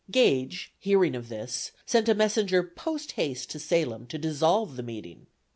Gage, hearing of this, sent a messenger post haste to Salem to dissolve the meeting.